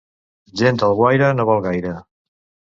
Gent d'Alguaire no val gaire.